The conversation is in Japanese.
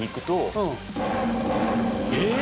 えっ！